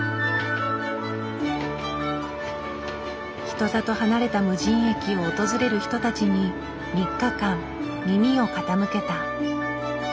人里離れた無人駅を訪れる人たちに３日間耳を傾けた。